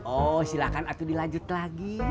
oh silahkan atau dilanjut lagi